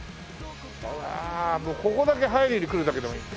あらここだけ入りに来るだけでもいい。